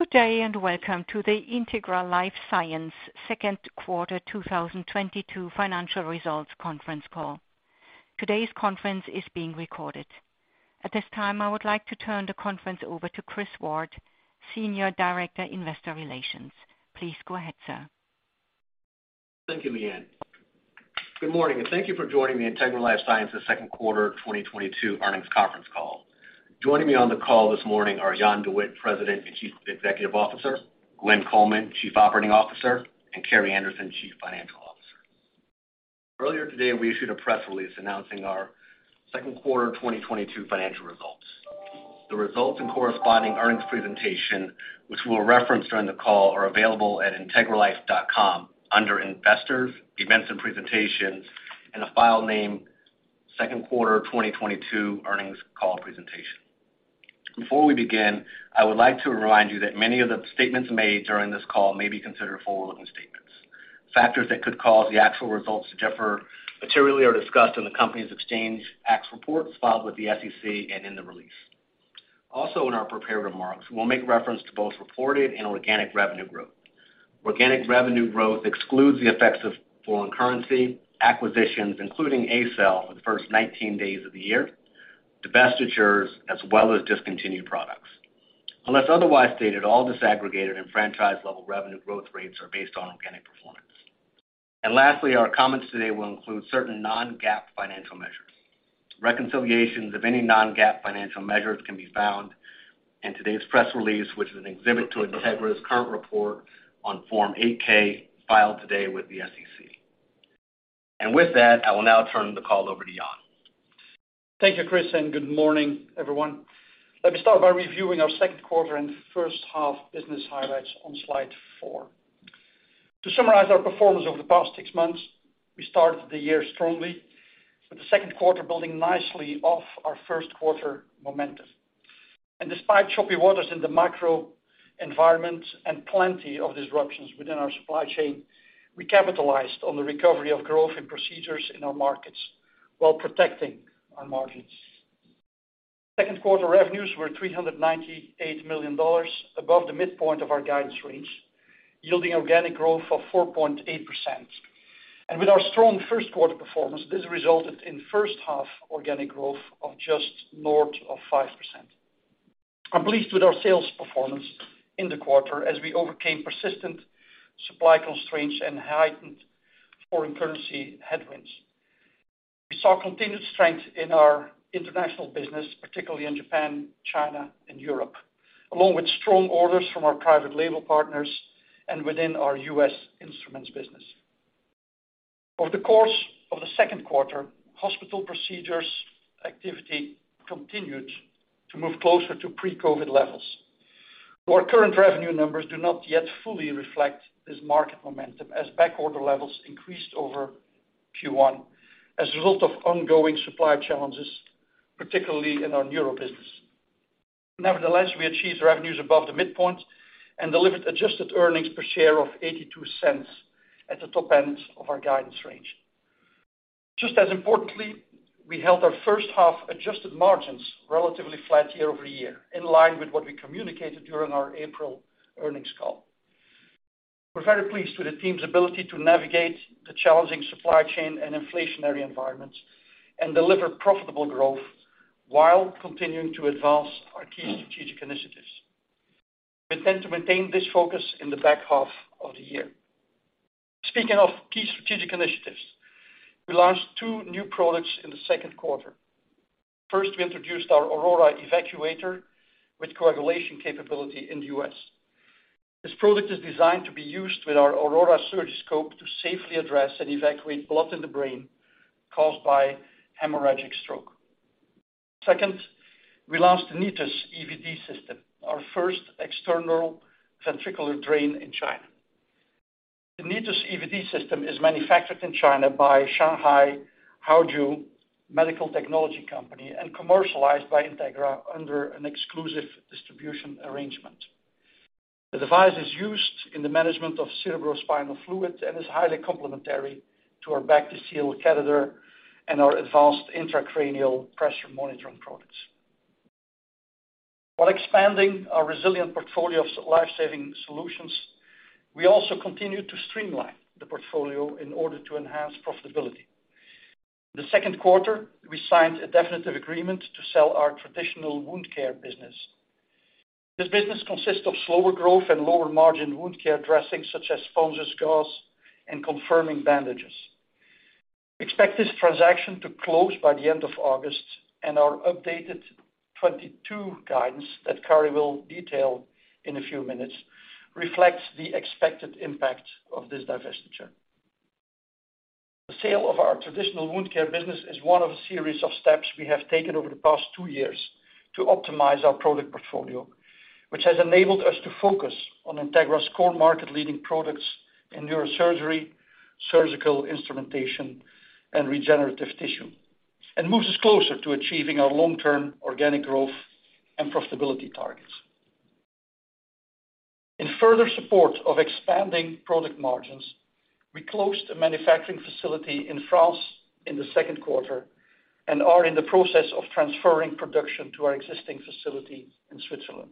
Good day, and welcome to the Integra LifeSciences Second Quarter 2022 Financial Results Conference Call. Today's conference is being recorded. At this time, I would like to turn the conference over to Chris Ward, Senior Director, Investor Relations. Please go ahead, sir. Thank you, Leanne. Good morning, and thank you for joining the Integra LifeSciences second quarter 2022 earnings conference call. Joining me on the call this morning are Jan De Witte, President and Chief Executive Officer, Glenn Coleman, Chief Operating Officer, and Carrie Anderson, Chief Financial Officer. Earlier today, we issued a press release announcing our second quarter 2022 financial results. The results and corresponding earnings presentation, which we'll reference during the call, are available at integralife.com under Investors, Events and Presentations in a file named Second Quarter 2022 Earnings Call Presentation. Before we begin, I would like to remind you that many of the statements made during this call may be considered forward-looking statements. Factors that could cause the actual results to differ materially are discussed in the company's Exchange Act's reports filed with the SEC and in the release. Also, in our prepared remarks, we'll make reference to both reported and organic revenue growth. Organic revenue growth excludes the effects of foreign currency, acquisitions, including ACell in the first 19 days of the year, divestitures, as well as discontinued products. Unless otherwise stated, all disaggregated and franchise level revenue growth rates are based on organic performance. Lastly, our comments today will include certain non-GAAP financial measures. Reconciliations of any non-GAAP financial measures can be found in today's press release, which is an exhibit to Integra's current report on Form 8-K filed today with the SEC. With that, I will now turn the call over to Jan. Thank you, Chris, and good morning, everyone. Let me start by reviewing our second quarter and first half business highlights on slide four. To summarize our performance over the past six months, we started the year strongly, with the second quarter building nicely off our first quarter momentum. Despite choppy waters in the macro environment and plenty of disruptions within our supply chain, we capitalized on the recovery of growth and procedures in our markets while protecting our margins. Second quarter revenues were $398 million above the midpoint of our guidance range, yielding organic growth of 4.8%. With our strong first quarter performance, this resulted in first half organic growth of just north of 5%. I'm pleased with our sales performance in the quarter as we overcame persistent supply constraints and heightened foreign currency headwinds. We saw continued strength in our international business, particularly in Japan, China, and Europe, along with strong orders from our private label partners and within our U.S. instruments business. Over the course of the second quarter, hospital procedures activity continued to move closer to pre-COVID levels, though our current revenue numbers do not yet fully reflect this market momentum as backorder levels increased over Q1 as a result of ongoing supply challenges, particularly in our neuro business. Nevertheless, we achieved revenues above the midpoint and delivered adjusted earnings per share of $0.82 at the top end of our guidance range. Just as importantly, we held our first half-adjusted margins relatively flat year-over-year, in line with what we communicated during our April earnings call. We're very pleased with the team's ability to navigate the challenging supply chain and inflationary environments and deliver profitable growth while continuing to advance our key strategic initiatives. We intend to maintain this focus in the back half of the year. Speaking of key strategic initiatives, we launched two new products in the second quarter. First, we introduced our Aurora Evacuator with coagulation capability in the U.S. This product is designed to be used with our Aurora Surgiscope to safely address and evacuate blood in the brain caused by hemorrhagic stroke. Second, we launched the Nitis EVD system, our first external ventricular drain in China. The Nitis EVD system is manufactured in China by Shanghai Huazhou PSA Products Co., Ltd. and commercialized by Integra under an exclusive distribution arrangement. The device is used in the management of cerebrospinal fluid and is highly complementary to our Bactiseal catheter and our advanced intracranial pressure monitoring products. While expanding our resilient portfolio of life-saving solutions, we also continue to streamline the portfolio in order to enhance profitability. In the second quarter, we signed a definitive agreement to sell our traditional wound care business. This business consists of slower growth and lower margin wound care dressings such as foamed gauze and conforming bandages. We expect this transaction to close by the end of August, and our updated 2022 guidance that Carrie will detail in a few minutes reflects the expected impact of this divestiture. The sale of our traditional wound care business is one of a series of steps we have taken over the past two years to optimize our product portfolio, which has enabled us to focus on Integra's core market-leading products in neurosurgery, surgical instrumentation, and regenerative tissue, and moves us closer to achieving our long-term organic growth and profitability targets. In further support of expanding product margins. We closed a manufacturing facility in France in the second quarter and are in the process of transferring production to our existing facility in Switzerland.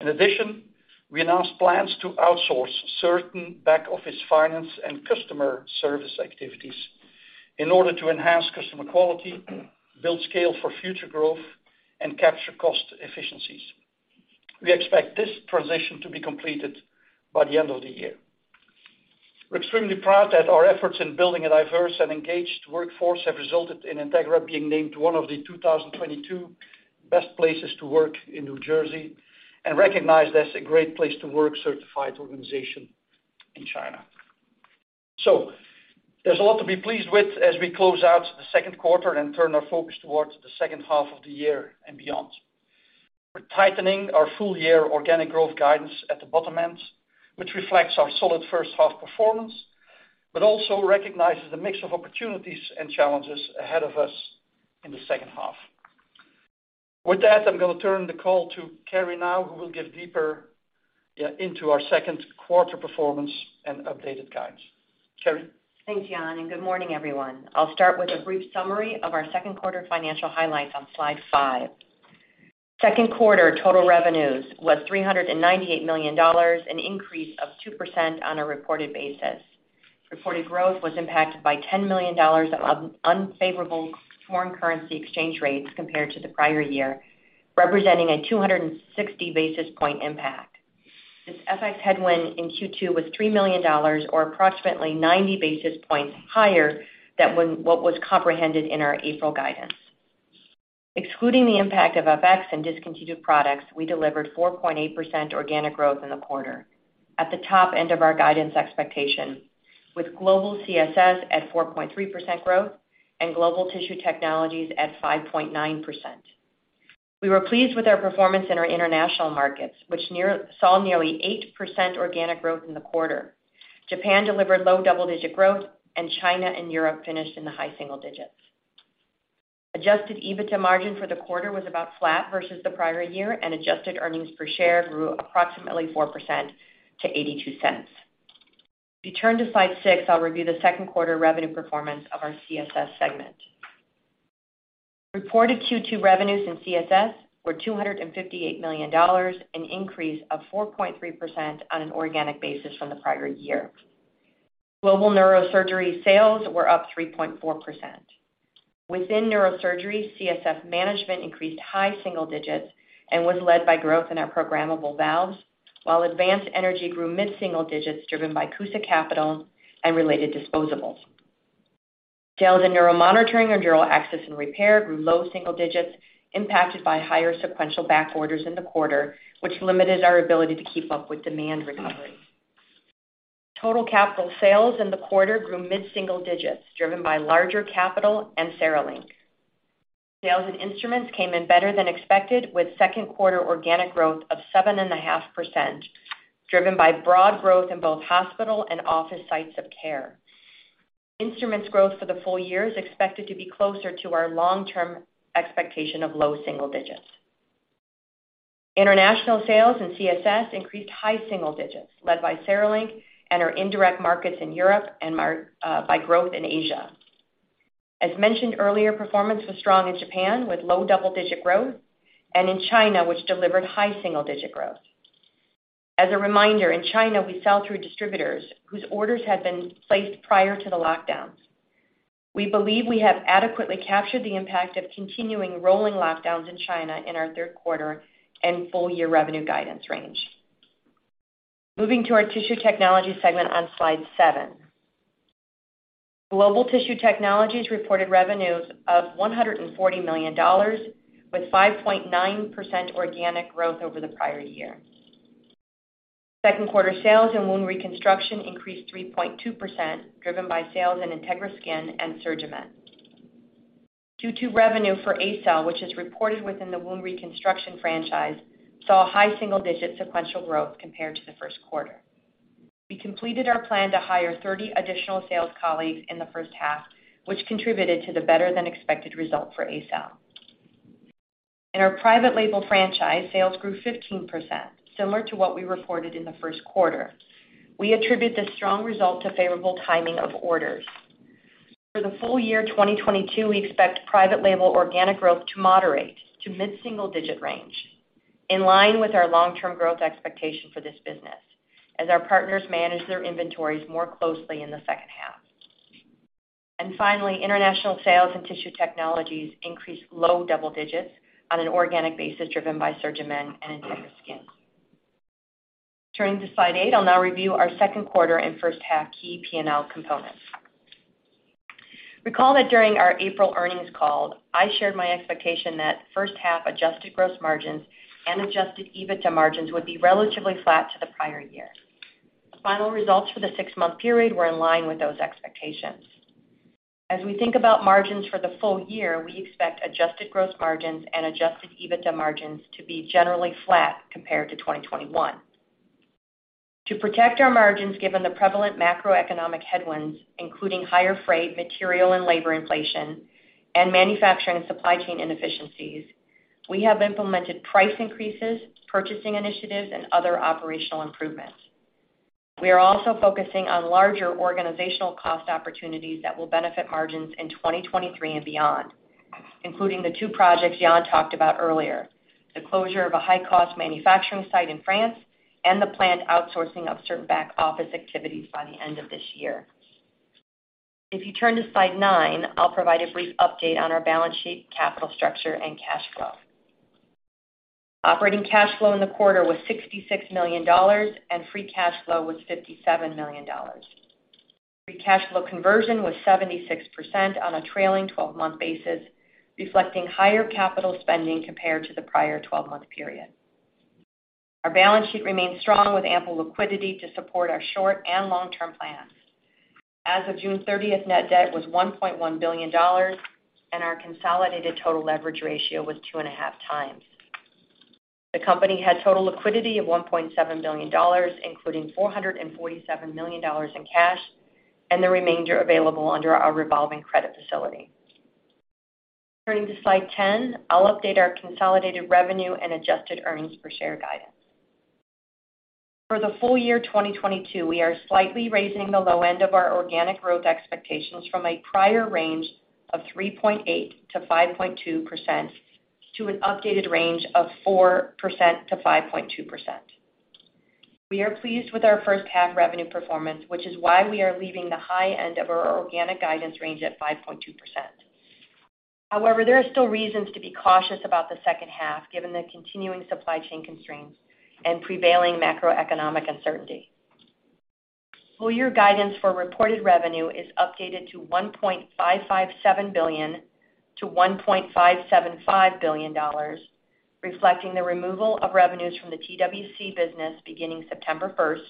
In addition, we announced plans to outsource certain back-office finance and customer service activities in order to enhance customer quality, build scale for future growth, and capture cost efficiencies. We expect this transition to be completed by the end of the year. We're extremely proud that our efforts in building a diverse and engaged workforce have resulted in Integra being named one of the 2022 best places to work in New Jersey and recognized as a great place to work certified organization in China. There's a lot to be pleased with as we close out the second quarter and turn our focus towards the second half of the year and beyond. We're tightening our full year organic growth guidance at the bottom end, which reflects our solid first half performance, but also recognizes the mix of opportunities and challenges ahead of us in the second half. With that, I'm going to turn the call to Carrie now, who will get deeper into our second quarter performance and updated guidance. Carrie? Thanks, Jan, and good morning, everyone. I'll start with a brief summary of our second quarter financial highlights on slide five. Second quarter total revenues was $398 million, an increase of 2% on a reported basis. Reported growth was impacted by $10 million of unfavorable foreign currency exchange rates compared to the prior year, representing a 260 basis point impact. This FX headwind in Q2 was $3 million or approximately 90 basis points higher than what was comprehended in our April guidance. Excluding the impact of FX and discontinued products, we delivered 4.8% organic growth in the quarter at the top end of our guidance expectation, with global CSS at 4.3% growth and global Tissue Technologies at 5.9%. We were pleased with our performance in our international markets, which saw nearly 8% organic growth in the quarter. Japan delivered low double-digit growth, and China and Europe finished in the high single digits. Adjusted EBITDA margin for the quarter was about flat versus the prior year, and adjusted EPS grew approximately 4% to $0.82. If you turn to slide six, I'll review the second quarter revenue performance of our CSS segment. Reported Q2 revenues in CSS were $258 million, an increase of 4.3% on an organic basis from the prior year. Global neurosurgery sales were up 3.4%. Within neurosurgery, CSF management increased high single digits and was led by growth in our programmable valves, while advanced energy grew mid-single digits, driven by CUSA capital and related disposables. Sales in neuromonitoring or neural access and repair grew low single digits, impacted by higher sequential backorders in the quarter, which limited our ability to keep up with demand recovery. Total capital sales in the quarter grew mid-single digits, driven by larger capital and CereLink. Sales in instruments came in better than expected, with second quarter organic growth of 7.5%, driven by broad growth in both hospital and office sites of care. Instruments growth for the full year is expected to be closer to our long-term expectation of low single digits. International sales in CSS increased high single digits, led by CereLink and our indirect markets in Europe and by growth in Asia. Performance was strong in Japan, with low double-digit growth, and in China, which delivered high single-digit growth. As a reminder, in China, we sell through distributors whose orders had been placed prior to the lockdowns. We believe we have adequately captured the impact of continuing rolling lockdowns in China in our third quarter and full year revenue guidance range. Moving to our Tissue Technologies segment on slide seven. Global Tissue Technologies reported revenues of $140 million, with 5.9% organic growth over the prior year. Second quarter sales in wound reconstruction increased 3.2%, driven by sales in Integra Skin and SurgiMend. Q2 revenue for ACell, which is reported within the wound reconstruction franchise, saw high single-digit sequential growth compared to the first quarter. We completed our plan to hire 30 additional sales colleagues in the first half, which contributed to the better-than-expected result for ACell. In our private label franchise, sales grew 15%, similar to what we reported in the first quarter. We attribute this strong result to favorable timing of orders. For the full year 2022, we expect private label organic growth to moderate to mid-single-digit range, in line with our long-term growth expectation for this business, as our partners manage their inventories more closely in the second half. Finally, international sales and Tissue Technologies increased low double digits on an organic basis driven by SurgiMend and Integra Skin. Turning to slide eight, I'll now review our second quarter and first half key P&L components. Recall that during our April earnings call, I shared my expectation that first half adjusted gross margins and adjusted EBITDA margins would be relatively flat to the prior year. The final results for the six-month period were in line with those expectations. As we think about margins for the full year, we expect adjusted gross margins and adjusted EBITDA margins to be generally flat compared to 2021. To protect our margins, given the prevalent macroeconomic headwinds, including higher freight, material and labor inflation, and manufacturing and supply chain inefficiencies. We have implemented price increases, purchasing initiatives, and other operational improvements. We are also focusing on larger organizational cost opportunities that will benefit margins in 2023 and beyond, including the two projects Jan talked about earlier, the closure of a high-cost manufacturing site in France and the planned outsourcing of certain back-office activities by the end of this year. If you turn to slide nine, I'll provide a brief update on our balance sheet, capital structure, and cash flow. Operating cash flow in the quarter was $66 million, and free cash flow was $57 million. Free cash flow conversion was 76% on a trailing 12-month basis, reflecting higher capital spending compared to the prior 12-month period. Our balance sheet remains strong with ample liquidity to support our short and long-term plans. As of June thirtieth, net debt was $1.1 billion, and our consolidated total leverage ratio was 2.5x. The company had total liquidity of $1.7 billion, including $447 million in cash, and the remainder available under our revolving credit facility. Turning to slide 10, I'll update our consolidated revenue and adjusted earnings per share guidance. For the full year 2022, we are slightly raising the low end of our organic growth expectations from a prior range of 3.8% to 5.2% to an updated range of 4% to 5.2%. We are pleased with our first half revenue performance, which is why we are leaving the high end of our organic guidance range at 5.2%. However, there are still reasons to be cautious about the second half given the continuing supply chain constraints and prevailing macroeconomic uncertainty. Full year guidance for reported revenue is updated to $1.557 billion to $1.575 billion, reflecting the removal of revenues from the TWC business beginning September first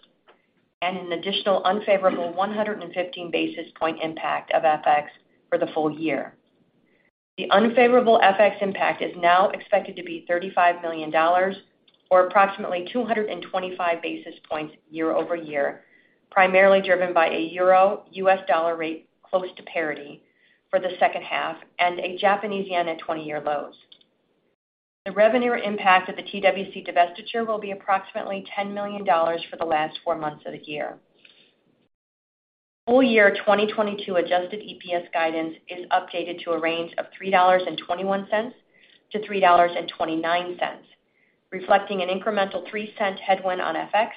and an additional unfavorable 115 basis points impact of FX for the full year. The unfavorable FX impact is now expected to be $35 million or approximately 225 basis points year-over-year, primarily driven by a Euro-US dollar rate close to parity for the second half and a Japanese yen at 20-year lows. The revenue impact of the TWC divestiture will be approximately $10 million for the last four months of the year. Full year 2022 adjusted EPS guidance is updated to a range of $3.21 to $3.29, reflecting an incremental $0.03 headwind on FX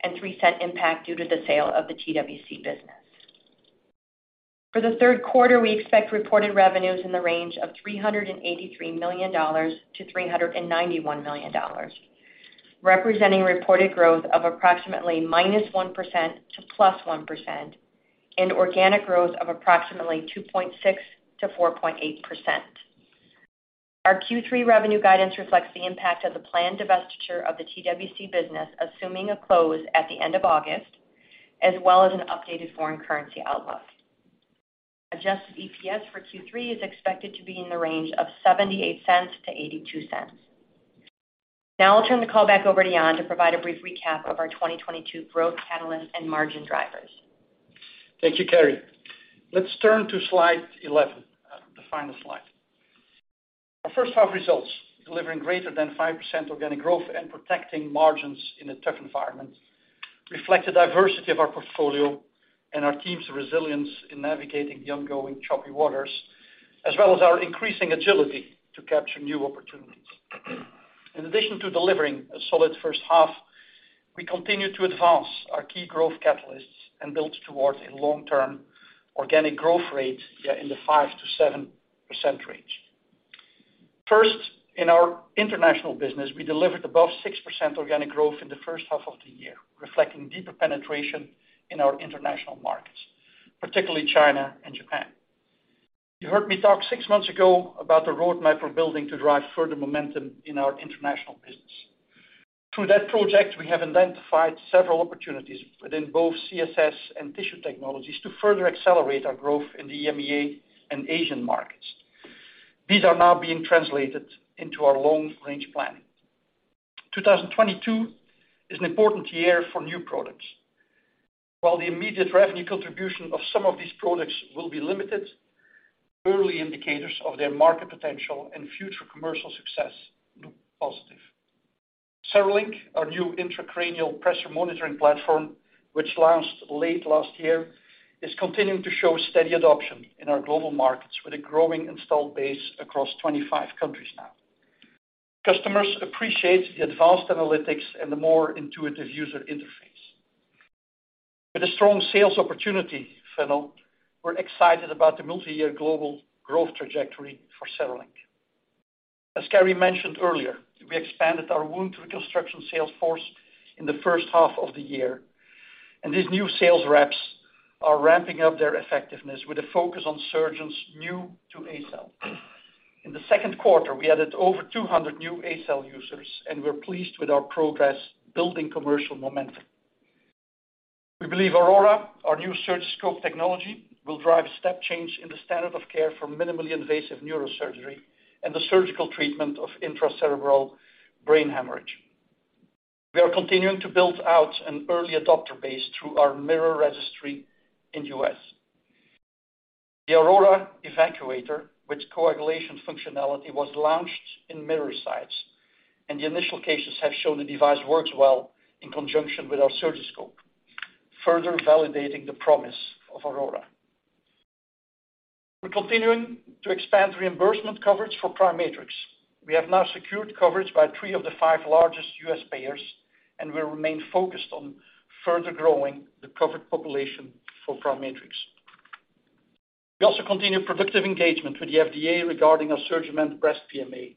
and $0.03 impact due to the sale of the TWC business. For the third quarter, we expect reported revenues in the range of $383 million to $391 million, representing reported growth of approximately -1% to +1% and organic growth of approximately 2.6% to 4.8%. Our Q3 revenue guidance reflects the impact of the planned divestiture of the TWC business, assuming a close at the end of August, as well as an updated foreign currency outlook. Adjusted EPS for Q3 is expected to be in the range of $0.78 to $0.82. Now I'll turn the call back over to Jan to provide a brief recap of our 2022 growth catalyst and margin drivers. Thank you, Carrie. Let's turn to slide 11, the final slide. Our first half results, delivering greater than 5% organic growth and protecting margins in a tough environment, reflect the diversity of our portfolio and our team's resilience in navigating the ongoing choppy waters, as well as our increasing agility to capture new opportunities. In addition to delivering a solid first half, we continue to advance our key growth catalysts and build towards a long-term organic growth rate in the 5% to 7% range. First, in our international business, we delivered above 6% organic growth in the first half of the year, reflecting deeper penetration in our international markets, particularly China and Japan. You heard me talk six months ago about the roadmap we're building to drive further momentum in our international business. Through that project, we have identified several opportunities within both CSS and Tissue Technologies to further accelerate our growth in the EMEA and Asian markets. These are now being translated into our long range planning. 2022 is an important year for new products. While the immediate revenue contribution of some of these products will be limited, early indicators of their market potential and future commercial success look positive. CereLink, our new intracranial pressure monitoring platform, which launched late last year, is continuing to show steady adoption in our global markets with a growing installed base across 25 countries now. Customers appreciate the advanced analytics and the more intuitive user interface. With a strong sales opportunity funnel, we're excited about the multi-year global growth trajectory for CereLink. As Carrie mentioned earlier, we expanded our wound reconstruction sales force in the first half of the year, and these new sales reps are ramping up their effectiveness with a focus on surgeons new to ACell. The second quarter, we added over 200 new ACell users, and we're pleased with our progress building commercial momentum. We believe Aurora, our new SurgiScope technology, will drive step change in the standard of care for minimally invasive neurosurgery and the surgical treatment of intracerebral brain hemorrhage. We are continuing to build out an early adopter base through our MIRROR registry in U.S. The Aurora Evacuator with coagulation functionality was launched in MIRROR sites, and the initial cases have shown the device works well in conjunction with our SurgiScope, further validating the promise of Aurora. We're continuing to expand reimbursement coverage for PriMatrix. We have now secured coverage by three of the five largest U.S. payers, and we remain focused on further growing the covered population for PriMatrix. We also continue productive engagement with the FDA regarding our SurgiMend breast PMA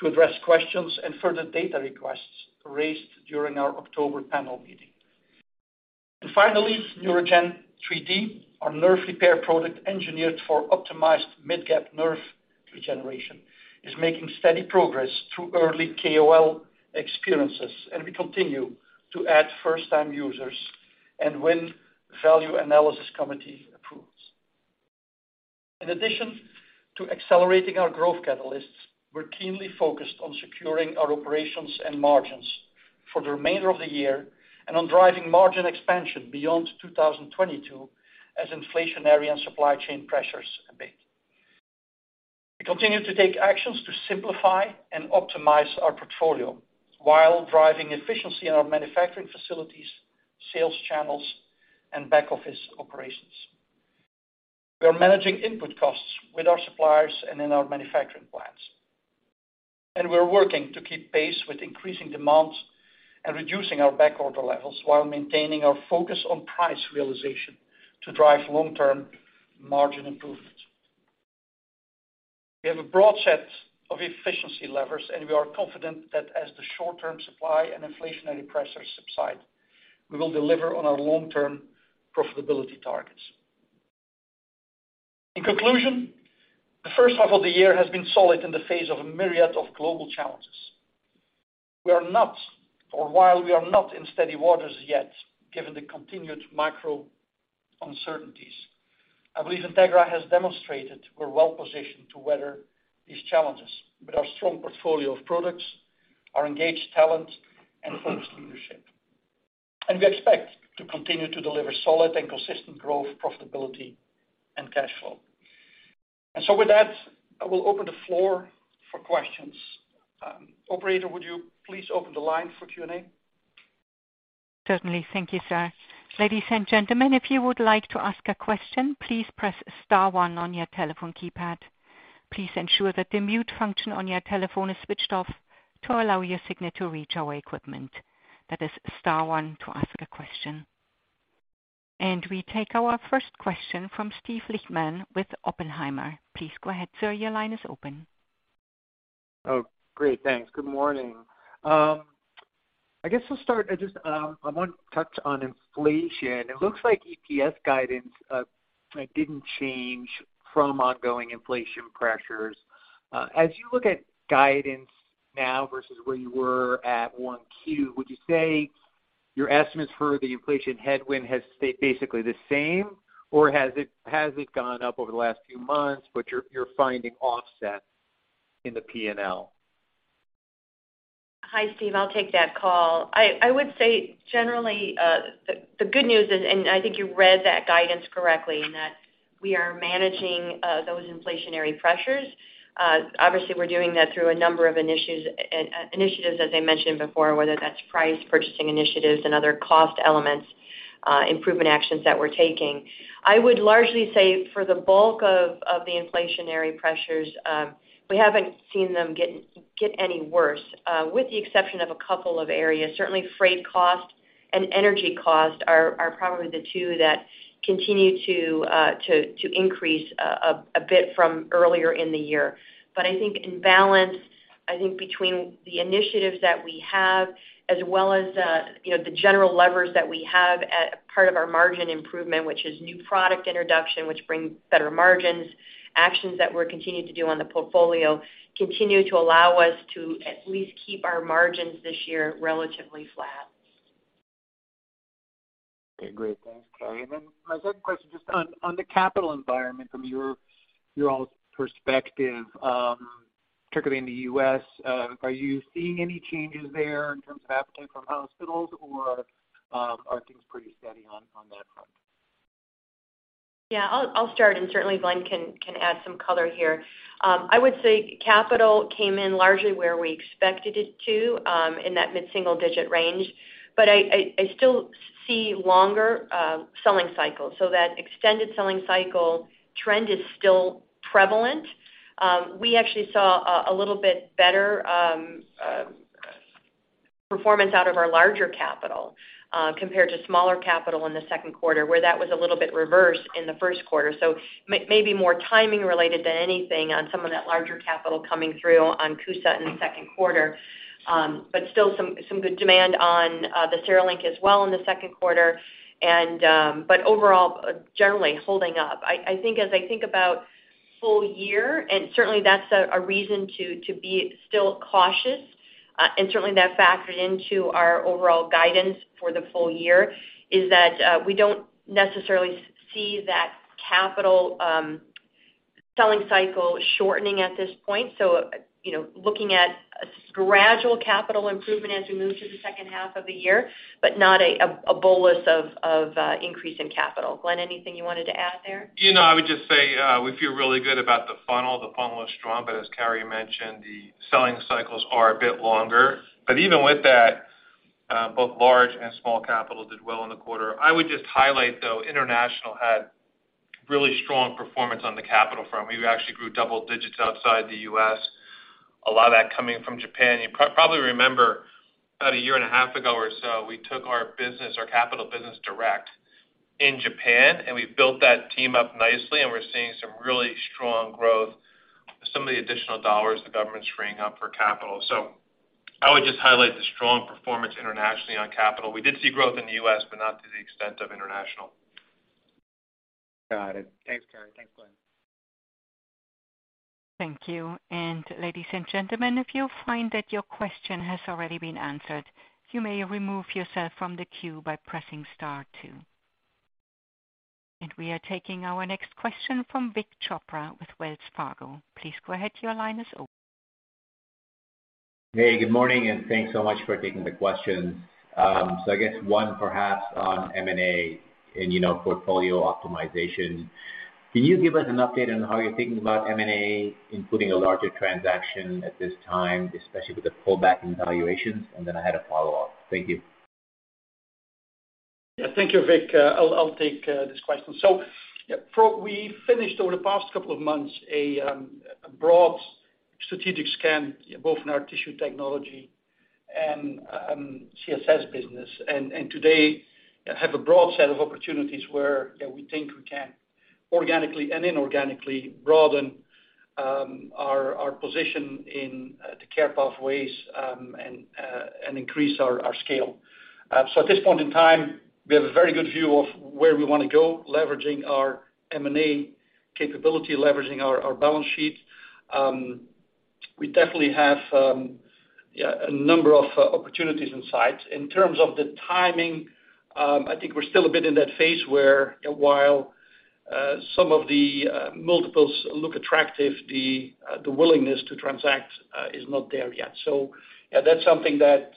to address questions and further data requests raised during our October panel meeting. Finally, NeuraGen 3D, our nerve repair product engineered for optimized mid-gap nerve regeneration, is making steady progress through early KOL experiences, and we continue to add first-time users and win value analysis committee approvals. In addition to accelerating our growth catalysts, we're keenly focused on securing our operations and margins for the remainder of the year and on driving margin expansion beyond 2022 as inflationary and supply chain pressures abate. We continue to take actions to simplify and optimize our portfolio while driving efficiency in our manufacturing facilities, sales channels, and back-office operations. We are managing input costs with our suppliers and in our manufacturing plants. We're working to keep pace with increasing demands and reducing our backorder levels while maintaining our focus on price realization to drive long-term margin improvement. We have a broad set of efficiency levers, and we are confident that as the short-term supply and inflationary pressures subside, we will deliver on our long-term profitability targets. In conclusion, the first half of the year has been solid in the face of a myriad of global challenges. While we are not in steady waters yet, given the continued macro uncertainties, I believe Integra has demonstrated we're well-positioned to weather these challenges with our strong portfolio of products, our engaged talent, and focused leadership. We expect to continue to deliver solid and consistent growth, profitability, and cash flow. With that, I will open the floor for questions. Operator, would you please open the line for Q&A? Certainly. Thank you, sir. Ladies and gentlemen, if you would like to ask a question, please press star one on your telephone keypad. Please ensure that the mute function on your telephone is switched off to allow your signal to reach our equipment. That is star one to ask a question. We take our first question from Steve Lichtman with Oppenheimer. Please go ahead, sir. Your line is open. Oh, great. Thanks. Good morning. I guess I'll start. I just, I want to touch on inflation. It looks like EPS guidance didn't change from ongoing inflation pressures. As you look at guidance now versus where you were at 1Q, would you say your estimates for the inflation headwind has stayed basically the same, or has it gone up over the last few months, but you're finding offset in the P&L? Hi, Steve. I'll take that call. I would say generally, the good news is, I think you read that guidance correctly, in that we are managing those inflationary pressures. Obviously, we're doing that through a number of initiatives, as I mentioned before, whether that's price, purchasing initiatives and other cost elements, improvement actions that we're taking. I would largely say for the bulk of the inflationary pressures, we haven't seen them get any worse, with the exception of a couple of areas. Certainly freight cost and energy cost are probably the two that continue to increase a bit from earlier in the year. I think in balance, I think between the initiatives that we have, as well as, you know, the general levers that we have as part of our margin improvement, which is new product introduction, which brings better margins, actions that we're continuing to do on the portfolio, continue to allow us to at least keep our margins this year relatively flat. Okay, great. Thanks, Carrie. My second question, just on the capital environment from your all's perspective, particularly in the U.S., are you seeing any changes there in terms of appetite from hospitals or, are things pretty steady on that front? Yeah. I'll start, and certainly Glenn can add some color here. I would say capital came in largely where we expected it to, in that mid-single digit range. But I still see longer selling cycles. So that extended selling cycle trend is still prevalent. We actually saw a little bit better performance out of our larger capital compared to smaller capital in the second quarter, where that was a little bit reversed in the first quarter. So maybe more timing related than anything on some of that larger capital coming through on CUSA in the second quarter. But still some good demand on the CereLink as well in the second quarter. But overall, generally holding up. I think about full year, and certainly that's a reason to be still cautious, and certainly that factored into our overall guidance for the full year is that we don't necessarily see that capital selling cycle shortening at this point. So, you know, looking at a gradual capital improvement as we move through the second half of the year, but not a bolus of increase in capital. Glenn, anything you wanted to add there? You know, I would just say, we feel really good about the funnel. The funnel is strong, but as Carrie mentioned, the selling cycles are a bit longer. Even with that, both large and small capital did well in the quarter. I would just highlight, though, international had really strong performance on the capital front. We actually grew double digits outside the U.S., a lot of that coming from Japan. You probably remember about a year and a half ago or so, we took our business, our capital business direct in Japan, and we built that team up nicely, and we're seeing some really strong growth, some of the additional dollars the government's freeing up for capital. I would just highlight the strong performance internationally on capital. We did see growth in the US, but not to the extent of international. Got it. Thanks, Carrie. Thanks, Glenn. Thank you. Ladies and gentlemen, if you find that your question has already been answered, you may remove yourself from the queue by pressing star two. We are taking our next question from Vik Chopra with Wells Fargo. Please go ahead, your line is open. Hey, good morning, and thanks so much for taking the questions. I guess one perhaps on M&A and, you know, portfolio optimization. Can you give us an update on how you're thinking about M&A, including a larger transaction at this time, especially with the pullback in valuations? I had a follow-up. Thank you. Yeah, thank you, Vik. I'll take this question. We finished over the past couple of months a broad strategic scan, both in our Tissue Technologies and CSS business. Today have a broad set of opportunities where we think we can organically and inorganically broaden our position in the care pathways and increase our scale. At this point in time, we have a very good view of where we wanna go, leveraging our M&A capability, leveraging our balance sheet. We definitely have a number of opportunities in sight. In terms of the timing, I think we're still a bit in that phase where while some of the multiples look attractive, the willingness to transact is not there yet. Yeah, that's something that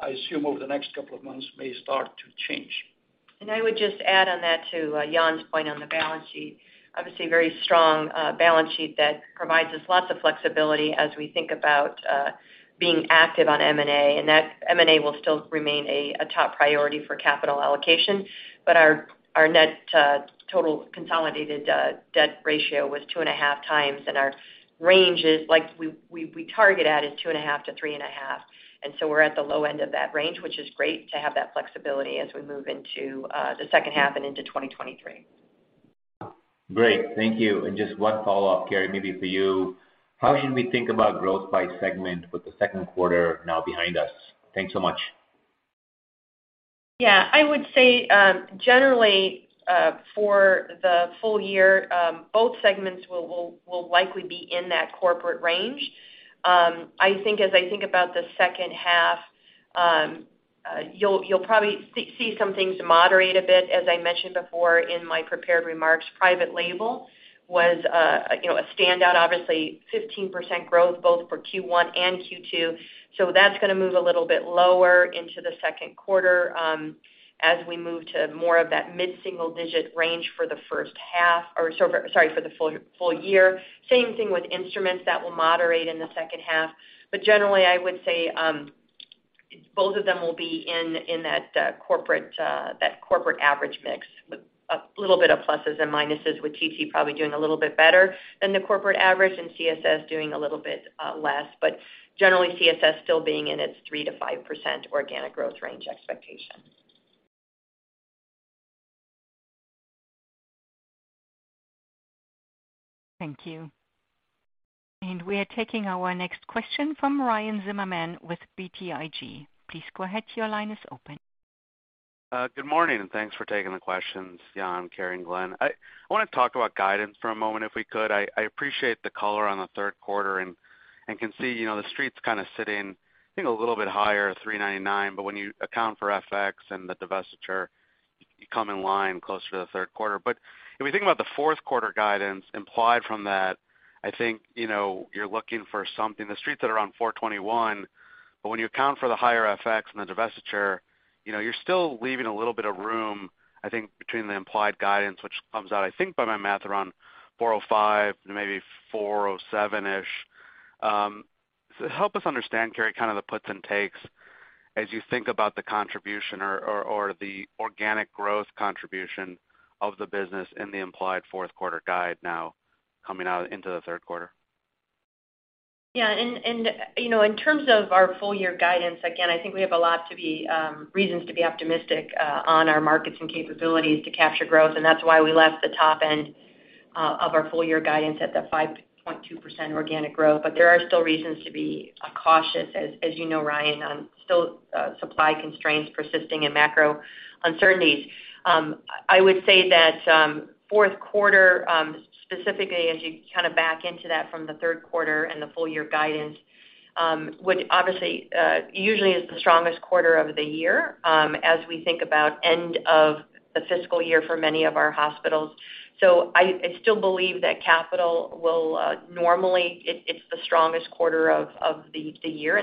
I assume over the next couple of months may start to change. I would just add on that to Jan's point on the balance sheet. Obviously, a very strong balance sheet that provides us lots of flexibility as we think about being active on M&A, and that M&A will still remain a top priority for capital allocation. But our net total consolidated debt ratio was 2.5x, and our range is, like, we target at is 2.5 to 3.5. We're at the low end of that range, which is great to have that flexibility as we move into the second half and into 2023. Great. Thank you. Just one follow-up, Carrie, maybe for you. How should we think about growth by segment with the second quarter now behind us? Thanks so much. Yeah, I would say generally for the full year both segments will likely be in that corporate range. I think about the second half you'll probably see some things moderate a bit, as I mentioned before in my prepared remarks. Private label was you know a standout, obviously 15% growth both for Q1 and Q2. So that's gonna move a little bit lower into the second quarter as we move to more of that mid-single digit range for the first half or so, sorry, for the full year. Same thing with instruments that will moderate in the second half. Generally, I would say both of them will be in that corporate average mix, with a little bit of pluses and minuses, with TC probably doing a little bit better than the corporate average and CSS doing a little bit less. Generally, CSS still being in its 3% to 5% organic growth range expectation. Thank you. We are taking our next question from Ryan Zimmerman with BTIG. Please go ahead, your line is open. Good morning, and thanks for taking the questions, Jan, Carrie, and Glenn. I want to talk about guidance for a moment if we could. I appreciate the color on the third quarter and can see, you know, the Street's kind of sitting, I think, a little bit higher, $399. When you account for FX and the divestiture, you come in line closer to the third quarter. If we think about the fourth quarter guidance implied from that, I think, you know, you're looking for something. The Street's that are around $421, but when you account for the higher FX and the divestiture, you know, you're still leaving a little bit of room, I think, between the implied guidance, which comes out, I think by my math, around $405, maybe $407-ish. Help us understand, Carrie, kind of the puts and takes as you think about the contribution or the organic growth contribution of the business in the implied fourth quarter guide now coming out into the third quarter. You know, in terms of our full year guidance, again, I think we have a lot of reasons to be optimistic on our markets and capabilities to capture growth, and that's why we left the top end of our full year guidance at the 5.2% organic growth. There are still reasons to be cautious, as you know, Ryan, on still supply constraints persisting and macro uncertainties. I would say that fourth quarter specifically as you kind of back into that from the third quarter and the full year guidance, which obviously usually is the strongest quarter of the year, as we think about end of the fiscal year for many of our hospitals. I still believe that capital will normally it's the strongest quarter of the year.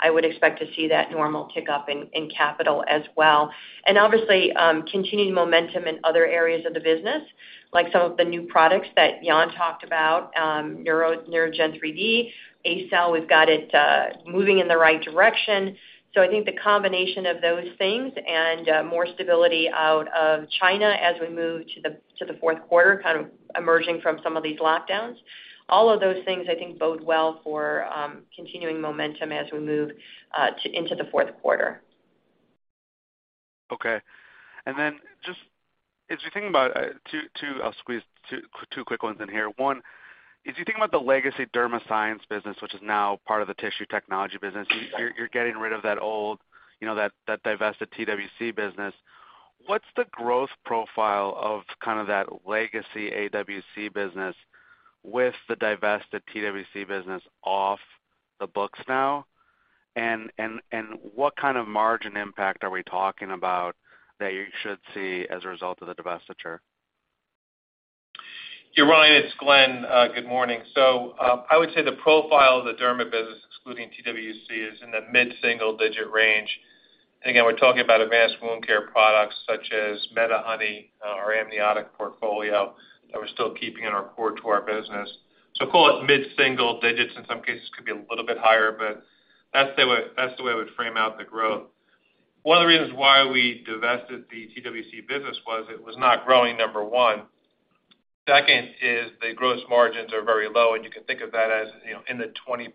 I would expect to see that normal tick up in capital as well. Obviously, continuing momentum in other areas of the business. Like some of the new products that Jan talked about, NeuraGen 3D. ACell, we've got it moving in the right direction. I think the combination of those things and more stability out of China as we move to the fourth quarter, kind of emerging from some of these lockdowns. All of those things I think bode well for continuing momentum as we move into the fourth quarter. Okay. Just as you're thinking about two, I'll squeeze two quick ones in here. One, as you think about the legacy Derma Sciences business, which is now part of the tissue technology business, you're getting rid of that old, you know, that divested TWC business. What's the growth profile of kind of that legacy AWC business with the divested TWC business off the books now? What kind of margin impact are we talking about that you should see as a result of the divestiture? Yeah, Ryan, it's Glenn. Good morning. I would say the profile of the Derma business, excluding TWC, is in the mid-single digit range. We're talking about advanced wound care products such as MediHoney, our amniotic portfolio that we're still keeping in our core to our business. Call it mid-single digits, in some cases could be a little bit higher, but that's the way I would frame out the growth. One of the reasons why we divested the TWC business was it was not growing, number one. Second is the gross margins are very low, and you can think of that as, you know, in the 20%,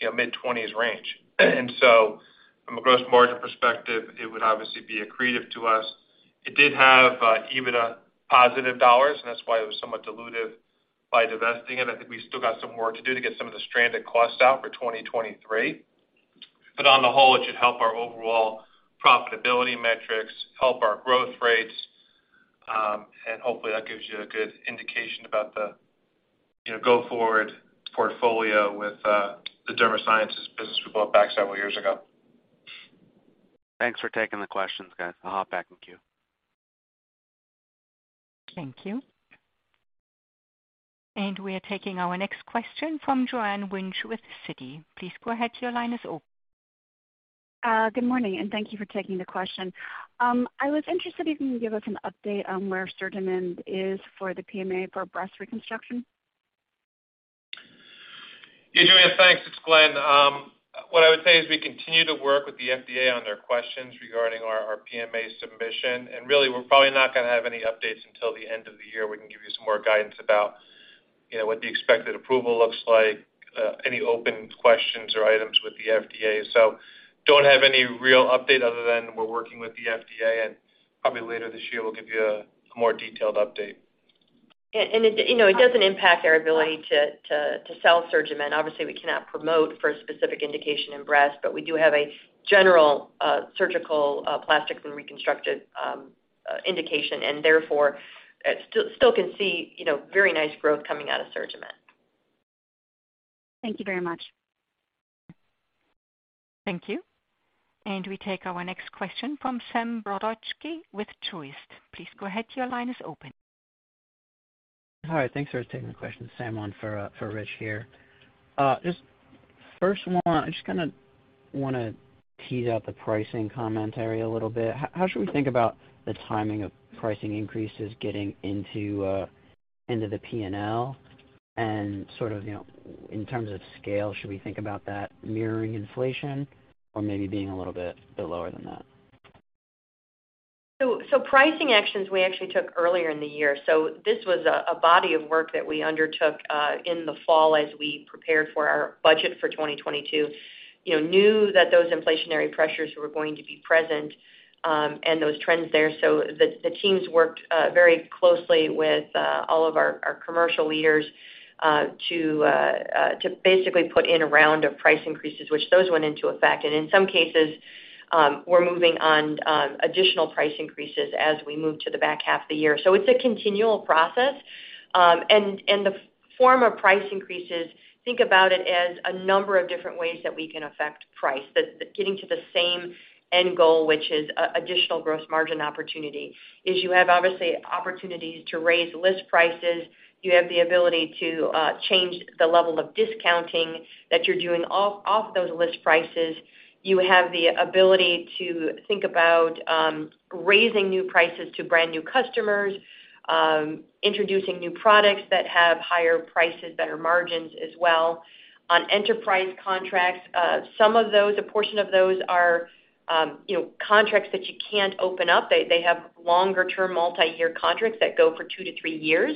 you know, mid-twenties range. From a gross margin perspective, it would obviously be accretive to us. It did have EBITDA positive dollars, and that's why it was somewhat dilutive by divesting it. I think we still got some work to do to get some of the stranded costs out for 2023. On the whole, it should help our overall profitability metrics, help our growth rates, and hopefully that gives you a good indication about the, you know, go forward portfolio with the Derma Sciences business we bought back several years ago. Thanks for taking the questions, guys. I'll hop back in queue. Thank you. We are taking our next question from Joanne Wuensch with Citi. Please go ahead. Your line is open. Good morning, thank you for taking the question. I was interested if you can give us an update on where SurgiMend is for the PMA for breast reconstruction. Yeah, Joanne, thanks. It's Glenn. What I would say is we continue to work with the FDA on their questions regarding our PMA submission. Really, we're probably not gonna have any updates until the end of the year. We can give you some more guidance about, you know, what the expected approval looks like, any open questions or items with the FDA. Don't have any real update other than we're working with the FDA, and probably later this year, we'll give you a more detailed update. You know, it doesn't impact our ability to sell SurgiMend. Obviously, we cannot promote for a specific indication in breast. We do have a general surgical plastics and reconstructive indication, and therefore still can see, you know, very nice growth coming out of SurgiMend. Thank you very much. Thank you. We take our next question from Samuel Brodovsky with Truist. Please go ahead. Your line is open. Hi. Thanks for taking the question. Sam on for Rich here. Just first one, I just kinda wanna tease out the pricing commentary a little bit. How should we think about the timing of pricing increases getting into the P&L? Sort of, you know, in terms of scale, should we think about that mirroring inflation or maybe being a little bit lower than that? Pricing actions we actually took earlier in the year. This was a body of work that we undertook in the fall as we prepared for our budget for 2022. You know, knew that those inflationary pressures were going to be present, and those trends there. The teams worked very closely with all of our commercial leaders to basically put in a round of price increases, which those went into effect. In some cases, we're moving on additional price increases as we move to the back half of the year. It's a continual process. The form of price increases, think about it as a number of different ways that we can affect price. Getting to the same end goal, which is additional gross margin opportunity, is you have obviously opportunities to raise list prices. You have the ability to change the level of discounting that you're doing off those list prices. You have the ability to think about raising new prices to brand new customers, introducing new products that have higher prices, better margins as well. On enterprise contracts, some of those, a portion of those are contracts that you can't open up. They have longer term multi-year contracts that go for two to three years.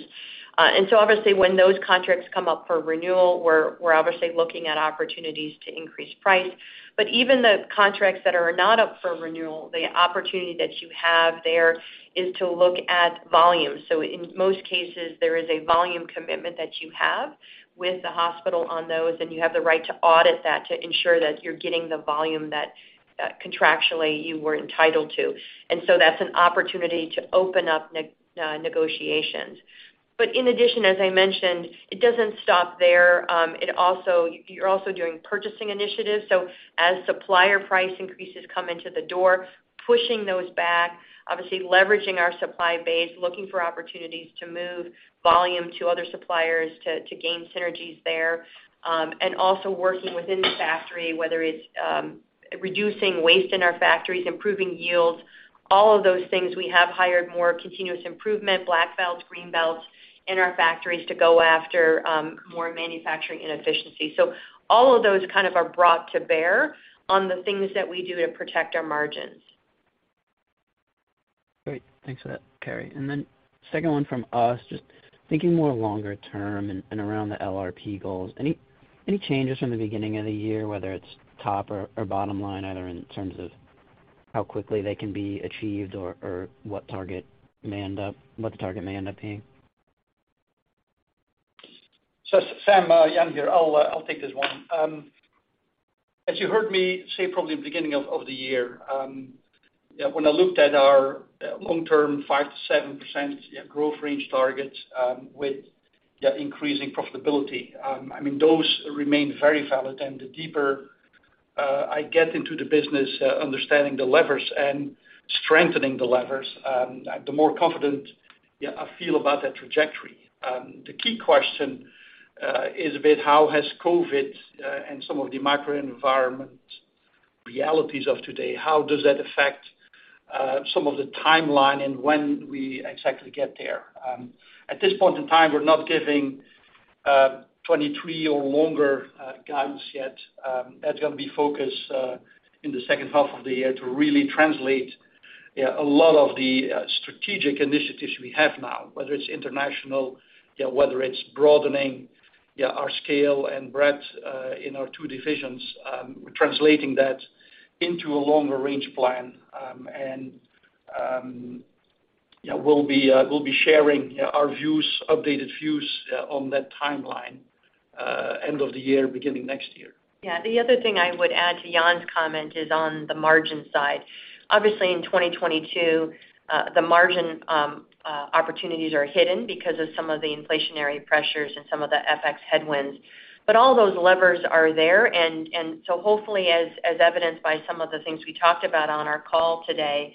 Obviously when those contracts come up for renewal, we're obviously looking at opportunities to increase price. Even the contracts that are not up for renewal, the opportunity that you have there is to look at volume. In most cases, there is a volume commitment that you have with the hospital on those, and you have the right to audit that to ensure that you're getting the volume that contractually you were entitled to. That's an opportunity to open up negotiations. In addition, as I mentioned, it doesn't stop there. You're also doing purchasing initiatives. As supplier price increases come into the door, pushing those back. Obviously leveraging our supply base, looking for opportunities to move volume to other suppliers to gain synergies there, and also working within the factory, whether it's reducing waste in our factories, improving yields, all of those things. We have hired more continuous improvement, black belts, green belts in our factories to go after more manufacturing inefficiency. All of those kind of are brought to bear on the things that we do to protect our margins. Great. Thanks for that, Carrie. Second one from us, just thinking more longer term and around the LRP goals. Any changes from the beginning of the year, whether it's top or bottom line, either in terms of how quickly they can be achieved or what the target may end up being? Sam, Jan here, I'll take this one. As you heard me say probably the beginning of the year, when I looked at our long-term 5%-7% growth range targets, with the increasing profitability, I mean, those remain very valid. The deeper I get into the business, understanding the levers and strengthening the levers, the more confident I feel about that trajectory. The key question is with how has COVID and some of the macro environment realities of today, how does that affect some of the timeline and when we exactly get there. At this point in time, we're not giving 2023 or longer guidance yet. That's gonna be focused in the second half of the year to really translate a lot of the strategic initiatives we have now. Whether it's international, whether it's broadening our scale and breadth in our two divisions, we're translating that into a longer-range plan. We'll be sharing our views, updated views on that timeline end of the year, beginning next year. Yeah. The other thing I would add to Jan's comment is on the margin side. Obviously, in 2022, the margin opportunities are hidden because of some of the inflationary pressures and some of the FX headwinds. All those levers are there. Hopefully, as evidenced by some of the things we talked about on our call today,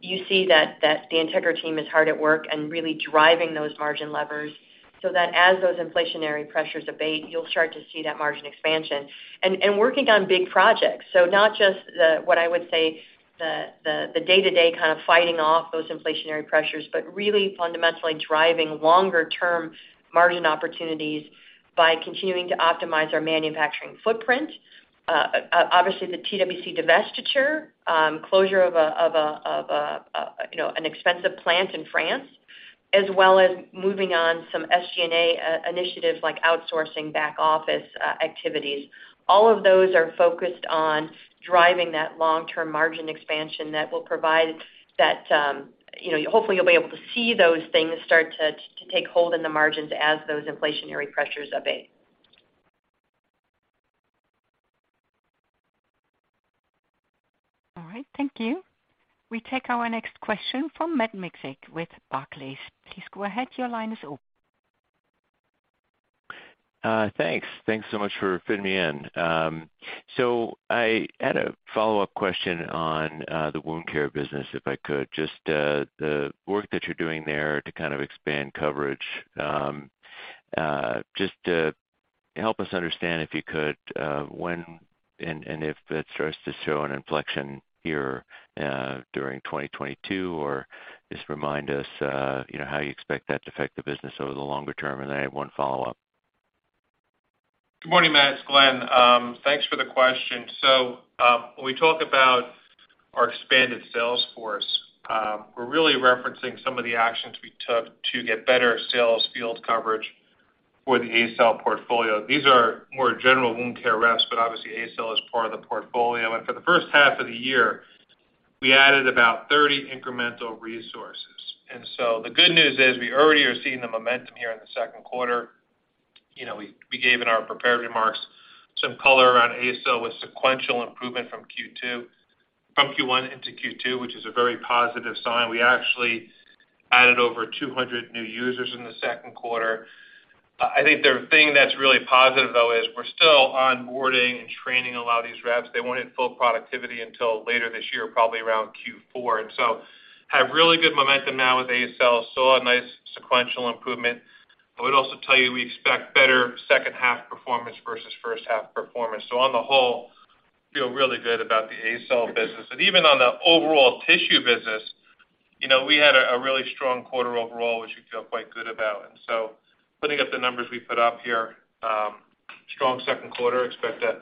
you see that the Integra team is hard at work and really driving those margin levers so that as those inflationary pressures abate, you'll start to see that margin expansion. Working on big projects. Not just what I would say, the day-to-day kind of fighting off those inflationary pressures, but really fundamentally driving longer-term margin opportunities by continuing to optimize our manufacturing footprint. Obviously, the TWC divestiture, closure of an expensive plant in France, as well as moving on some SG&A initiatives like outsourcing back office activities. All of those are focused on driving that long-term margin expansion that will provide that. You know, hopefully, you'll be able to see those things start to take hold in the margins as those inflationary pressures abate. All right. Thank you. We take our next question from Matt Miksic with Barclays. Please go ahead. Your line is open. Thanks. Thanks so much for fitting me in. I had a follow-up question on the wound care business, if I could. Just the work that you're doing there to kind of expand coverage, just help us understand, if you could, when and if that starts to show an inflection here during 2022, or just remind us, you know, how you expect that to affect the business over the longer term. I have one follow-up. Good morning, Matt. It's Glenn. Thanks for the question. When we talk about our expanded sales force, we're really referencing some of the actions we took to get better sales field coverage for the ACell portfolio. These are more general wound care reps, but obviously ACell is part of the portfolio. For the first half of the year, we added about 30 incremental resources. The good news is we already are seeing the momentum here in the second quarter. We gave in our prepared remarks some color around ACell with sequential improvement from Q1 into Q2, which is a very positive sign. We actually added over 200 new users in the second quarter. I think the thing that's really positive though is we're still onboarding and training a lot of these reps. They won't hit full productivity until later this year, probably around Q4. Have really good momentum now with ACell, saw a nice sequential improvement. I would also tell you, we expect better second half performance versus first half performance. On the whole, feel really good about the ACell business. Even on the overall tissue business, you know, we had a really strong quarter overall, which we feel quite good about. Putting up the numbers we put up here, strong second quarter, expect a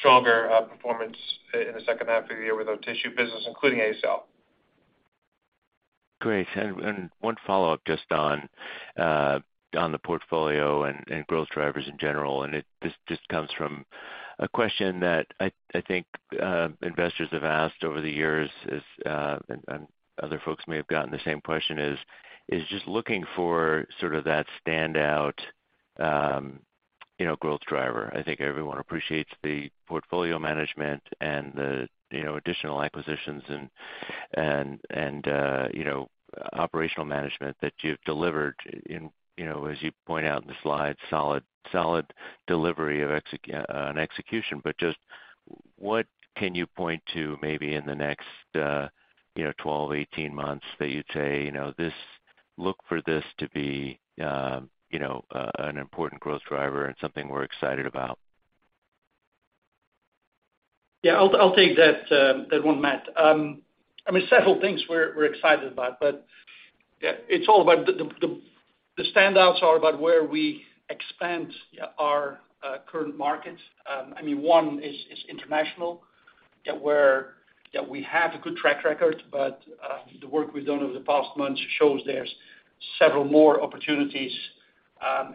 stronger performance in the second half of the year with our tissue business, including ACell. Great. One follow-up just on the portfolio and growth drivers in general, and this just comes from a question that I think investors have asked over the years, and other folks may have gotten the same question is just looking for sort of that standout, you know, growth driver. I think everyone appreciates the portfolio management and the, you know, additional acquisitions and, you know, operational management that you've delivered in, you know, as you point out in the slide, solid delivery on execution. But just what can you point to maybe in the next, you know, 12, 18 months that you'd say, you know, look for this to be, you know, an important growth driver and something we're excited about? Yeah, I'll take that one, Matt. I mean, several things we're excited about, but yeah, it's all about the standouts are about where we expand our current markets. I mean, one is international, where we have a good track record, but the work we've done over the past months shows there's several more opportunities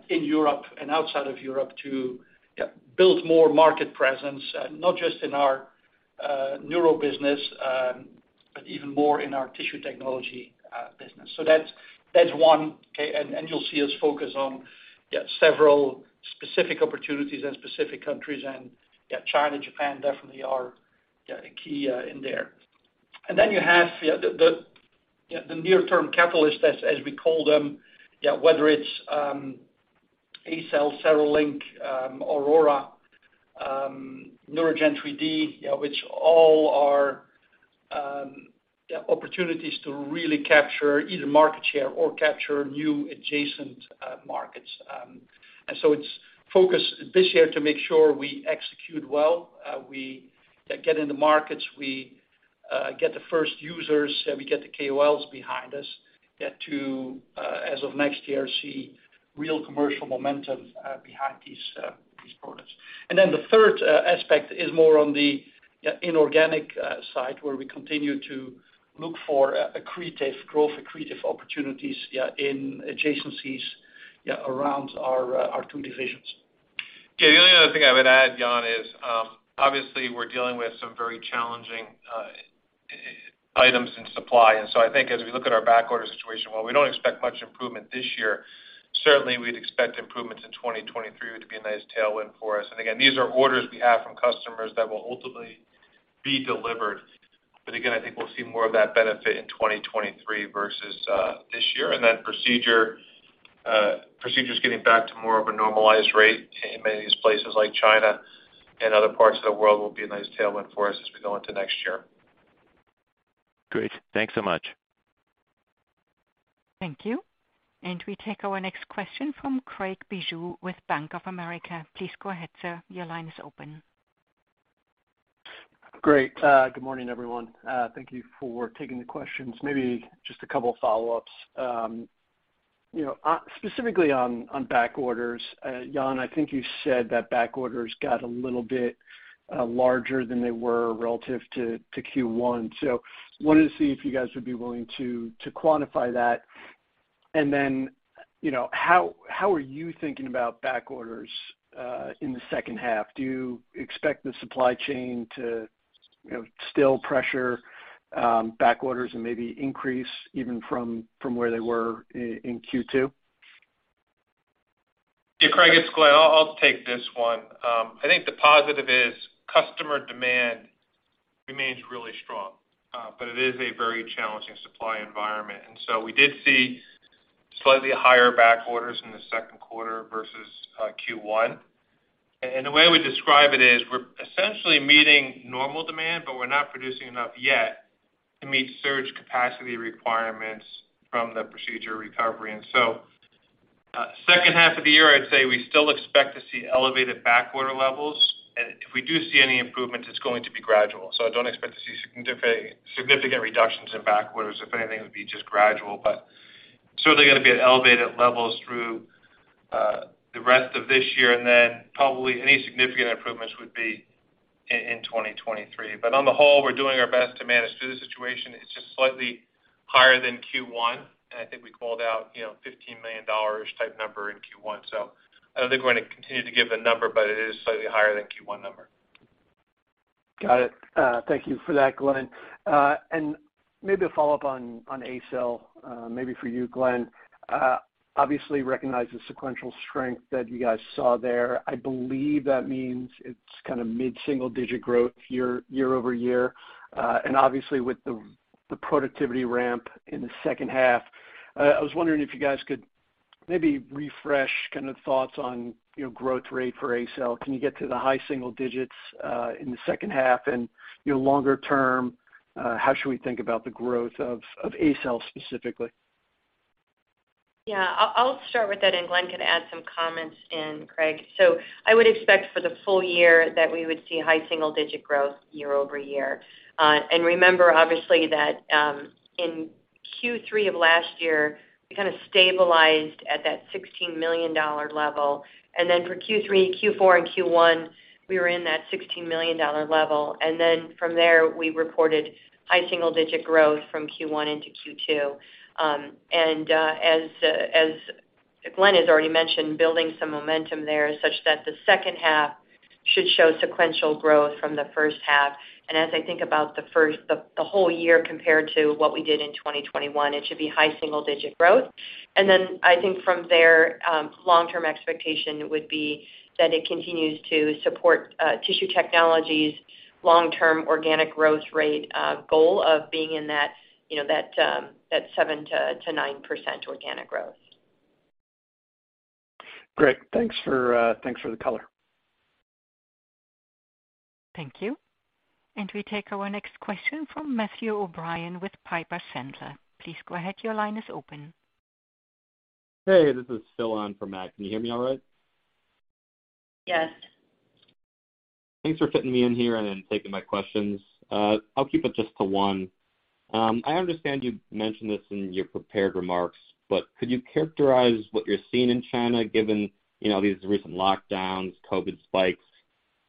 in Europe and outside of Europe to yeah, build more market presence, not just in our neuro business, but even more in our Tissue Technologies business. That's one. Okay. You'll see us focus on yeah, several specific opportunities and specific countries. Yeah, China, Japan definitely are yeah, key in there. You have the near-term catalyst, as we call them, whether it's ACell, CereLink, Aurora, NeuraGen 3D, which all are opportunities to really capture either market share or capture new adjacent markets. It's focused this year to make sure we execute well, we get in the markets, we get the first users, we get the KOLs behind us, to, as of next year, see real commercial momentum behind these products. The third aspect is more on the inorganic side, where we continue to look for accretive growth, accretive opportunities, in adjacencies, around our two divisions. Yeah, the only other thing I would add, Jan, is, obviously we're dealing with some very challenging items in supply. I think as we look at our backorder situation, while we don't expect much improvement this year, certainly we'd expect improvements in 2023 to be a nice tailwind for us. Again, these are orders we have from customers that will ultimately be delivered. Again, I think we'll see more of that benefit in 2023 versus this year. Then procedures getting back to more of a normalized rate in many of these places like China and other parts of the world will be a nice tailwind for us as we go into next year. Great. Thanks so much. Thank you. We take our next question from Craig Bijou with Bank of America. Please go ahead, sir. Your line is open. Great. Good morning, everyone. Thank you for taking the questions. Maybe just a couple of follow-ups. You know, specifically on backorders, Jan, I think you said that backorders got a little bit larger than they were relative to Q1. Wanted to see if you guys would be willing to quantify that. You know, how are you thinking about backorders in the second half? Do you expect the supply chain to still pressure backorders and maybe increase even from where they were in Q2? Yeah, Craig, it's Glenn. I'll take this one. I think the positive is customer demand remains really strong, but it is a very challenging supply environment. We did see slightly higher backorders in the second quarter versus Q1. The way we describe it is we're essentially meeting normal demand, but we're not producing enough yet to meet surge capacity requirements from the procedure recovery. Second half of the year, I'd say we still expect to see elevated backorder levels. If we do see any improvement, it's going to be gradual. I don't expect to see significant reductions in backorders. If anything, it would be just gradual. Certainly going to be at elevated levels through the rest of this year. Probably any significant improvements would be in 2023. On the whole, we're doing our best to manage through the situation. It's just slightly higher than Q1. I think we called out, you know, $15 million type number in Q1. I don't think we're going to continue to give a number, but it is slightly higher than Q1 number. Got it. Thank you for that, Glenn. Maybe a follow-up on ACell, maybe for you, Glenn. Obviously recognize the sequential strength that you guys saw there. I believe that means it's kind of mid-single-digit growth year-over-year. Obviously with the productivity ramp in the second half, I was wondering if you guys could maybe refresh kind of thoughts on, you know, growth rate for ACell. Can you get to the high single-digits in the second half and, you know, longer term, how should we think about the growth of ACell specifically? Yeah. I'll start with that and Glenn can add some comments in, Craig. I would expect for the full year that we would see high single digit growth year-over-year. Remember obviously that in Q3 of last year, we kind of stabilized at that $16 million level. Then for Q3, Q4, and Q1, we were in that $16 million level. Then from there, we reported high single digit growth from Q1 into Q2. As Glenn has already mentioned, building some momentum there such that the second half should show sequential growth from the first half. As I think about the whole year compared to what we did in 2021, it should be high single digit growth. I think from there, long-term expectation would be that it continues to support Tissue Technologies' long-term organic growth rate goal of being in that, you know, 7% to 9% organic growth. Great. Thanks for the color. Thank you. We take our next question from Matthew O'Brien with Piper Sandler. Please go ahead. Your line is open. Hey, this is Phil on for Matt. Can you hear me all right? Yes. Thanks for fitting me in here and taking my questions. I'll keep it just to one. I understand you mentioned this in your prepared remarks, but could you characterize what you're seeing in China given, you know, these recent lockdowns, COVID spikes,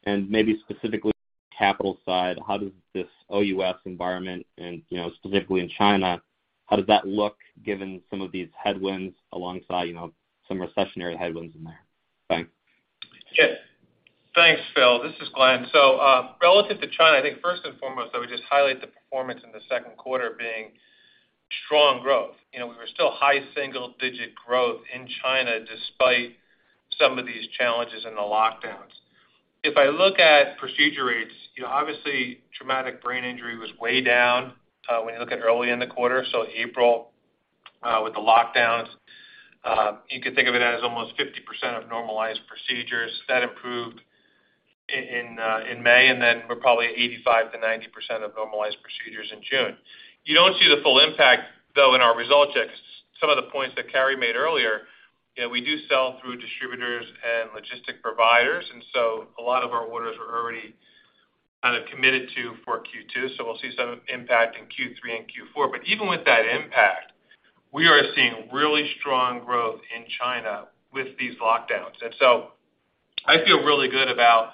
and maybe specifically capital side, how does this OUS environment and, you know, specifically in China, how does that look given some of these headwinds alongside, you know, some recessionary headwinds in there? Thanks. Yes. Thanks, Phil. This is Glenn. Relative to China, I think first and foremost, I would just highlight the performance in the second quarter being strong growth. You know, we were still high single-digit growth in China despite some of these challenges in the lockdowns. If I look at procedure rates, you know, obviously, traumatic brain injury was way down, when you look at early in the quarter, so April, with the lockdowns. You could think of it as almost 50% of normalized procedures. That improved in May, and then we're probably 85% to 90% of normalized procedures in June. You don't see the full impact though in our results yet, because some of the points that Carrie made earlier, you know, we do sell through distributors and logistics providers, and so a lot of our orders were already kind of committed to for Q2, so we'll see some impact in Q3 and Q4. Even with that impact, we are seeing really strong growth in China with these lockdowns. I feel really good about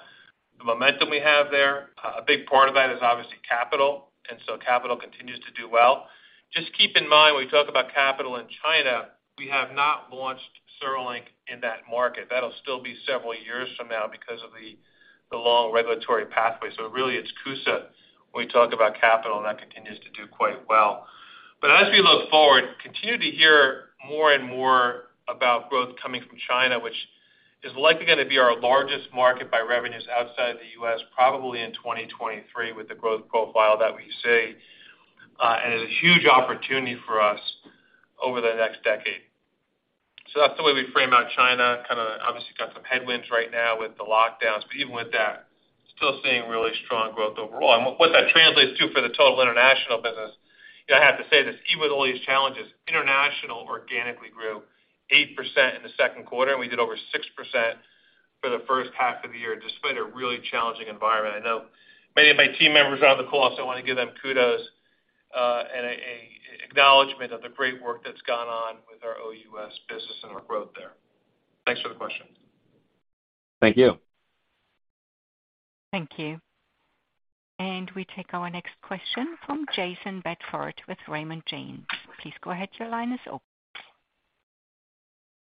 the momentum we have there. A big part of that is obviously capital, and so capital continues to do well. Just keep in mind when we talk about capital in China, we have not launched CereLink in that market. That'll still be several years from now because of the long regulatory pathway. Really it's CUSA when we talk about capital, and that continues to do quite well. As we look forward, continue to hear more and more about growth coming from China, which is likely going to be our largest market by revenues outside the U.S. probably in 2023 with the growth profile that we see, and is a huge opportunity for us over the next decade. That's the way we frame out China, kind of obviously got some headwinds right now with the lockdowns. Even with that, still seeing really strong growth overall. What that translates to for the total international business, you know, I have to say this, even with all these challenges, international organically grew 8% in the second quarter, and we did over 6% for the first half of the year despite a really challenging environment. I know many of my team members are on the call, so I want to give them kudos and a acknowledgment of the great work that's gone on with our OUS business and our growth there. Thanks for the question. Thank you. Thank you. We take our next question from Jayson Bedford with Raymond James. Please go ahead. Your line is open.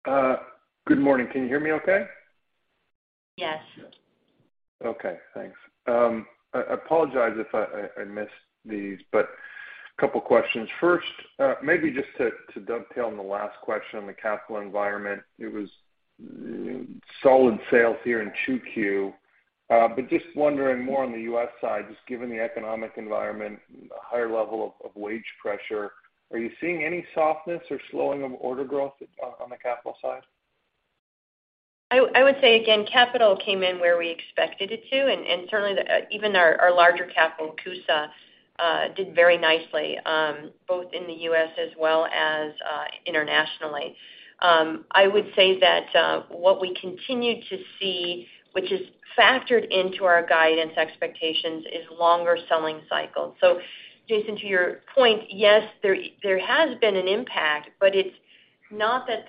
Good morning. Can you hear me okay? Yes. Okay. Thanks. I apologize if I missed these, but a couple questions. First, maybe just to dovetail on the last question on the capital environment. It was solid sales here in 2Q, but just wondering more on the U.S. side, just given the economic environment, a higher level of wage pressure, are you seeing any softness or slowing of order growth on the capital side? I would say again, capital came in where we expected it to, and certainly even our larger capital, CUSA, did very nicely, both in the U.S. as well as internationally. I would say that what we continue to see, which is factored into our guidance expectations, is longer selling cycles. Jayson, to your point, yes, there has been an impact, but it's not that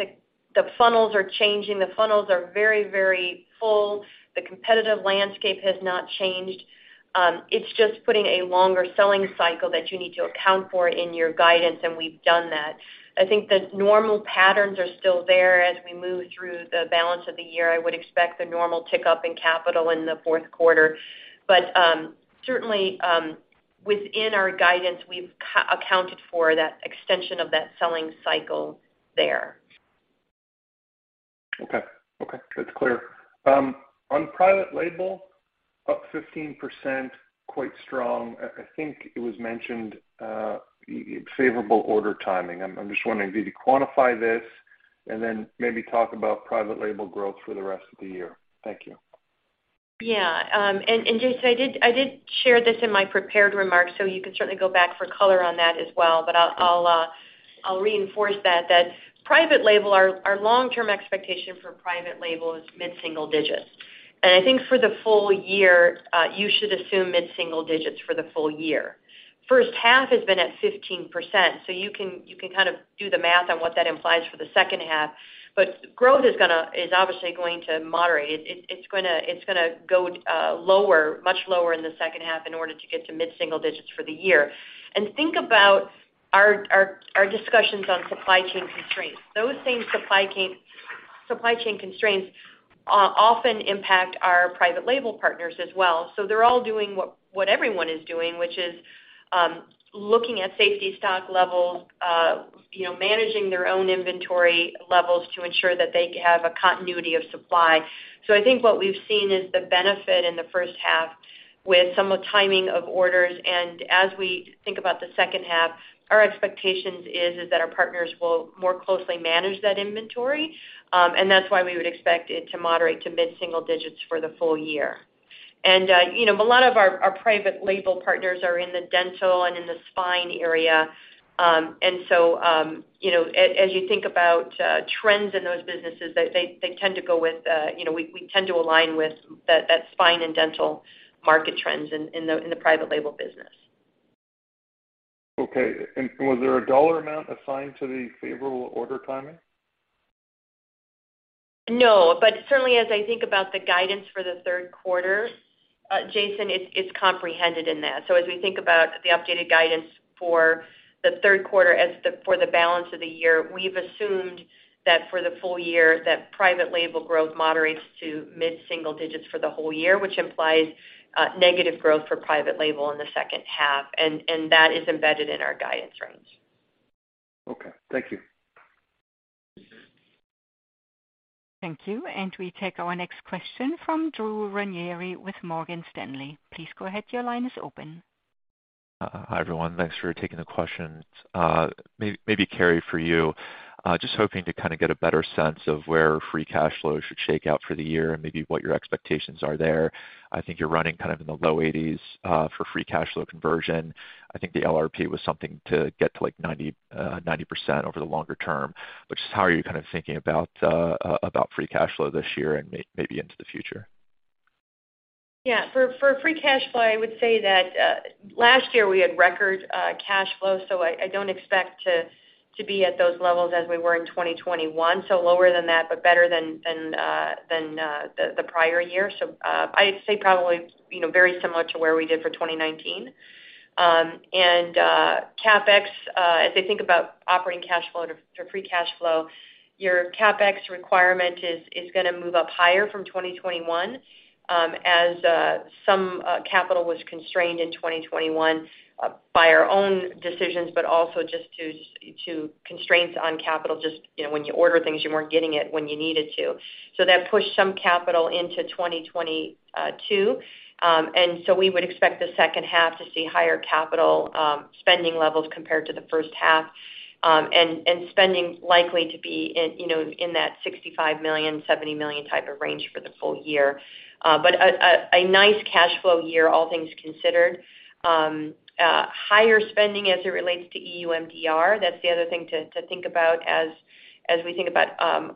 the funnels are changing. The funnels are very, very full. The competitive landscape has not changed. It's just putting a longer selling cycle that you need to account for in your guidance, and we've done that. I think the normal patterns are still there as we move through the balance of the year. I would expect the normal tick up in capital in the fourth quarter. Certainly, within our guidance, we've already accounted for that extension of that selling cycle there. That's clear. On private label, up 15%, quite strong. I think it was mentioned, favorable order timing. I'm just wondering, do you quantify this and then maybe talk about private label growth for the rest of the year? Thank you. Yeah. Jayson, I did share this in my prepared remarks, so you can certainly go back for color on that as well. I'll reinforce that private label, our long-term expectation for private label is mid-single digits. I think for the full year, you should assume mid-single digits for the full year. First half has been at 15%, so you can kind of do the math on what that implies for the second half. Growth is obviously going to moderate. It's going to go lower, much lower in the second half in order to get to mid-single digits for the year. Think about our discussions on supply chain constraints. Those same supply chain constraints often impact our private label partners as well. They're all doing what everyone is doing, which is looking at safety stock levels, you know, managing their own inventory levels to ensure that they have a continuity of supply. I think what we've seen is the benefit in the first half with some timing of orders. As we think about the second half, our expectations is that our partners will more closely manage that inventory, and that's why we would expect it to moderate to mid-single digits for the full year. You know, a lot of our private label partners are in the dental and in the spine area. You know, as you think about trends in those businesses, they tend to go with, you know, we tend to align with that spine and dental market trends in the private label business. Okay. Was there a dollar amount assigned to the favorable order timing? No, certainly as I think about the guidance for the third quarter, Jayson, it's comprehended in that. As we think about the updated guidance for the third quarter for the balance of the year, we've assumed that for the full year, that private label growth moderates to mid-single digits for the whole year, which implies negative growth for private label in the second half, and that is embedded in our guidance range. Okay, thank you. Thank you. We take our next question from Drew Ranieri with Morgan Stanley. Please go ahead, your line is open. Hi, everyone. Thanks for taking the questions. Maybe Carrie, for you, just hoping to kind of get a better sense of where free cash flow should shake out for the year and maybe what your expectations are there. I think you're running kind of in the low 80s% for free cash flow conversion. I think the LRP was something to get to, like 90% over the longer term, which is how are you kind of thinking about free cash flow this year and maybe into the future? For free cash flow, I would say that last year we had record cash flow, so I don't expect to be at those levels as we were in 2021, so lower than that, but better than the prior year. I'd say probably, you know, very similar to where we did for 2019. And CapEx, as I think about operating cash flow to free cash flow, your CapEx requirement is gonna move up higher from 2021, as some capital was constrained in 2021 by our own decisions, but also just due to constraints on capital, just you know, when you order things, you weren't getting it when you needed to. That pushed some capital into 2022. We would expect the second half to see higher capital spending levels compared to the first half, and spending likely to be in, you know, in that $65 million to $70 million type of range for the full year. But a nice cash flow year, all things considered. Higher spending as it relates to EU MDR. That's the other thing to think about as we think about